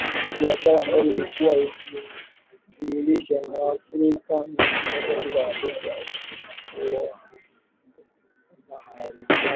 Ni biashara ambayo ilikuwa ikimdhalilisha mwaafrika na kumuweka katika mateso na udhaalilishaji